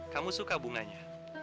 kamu suka bunganya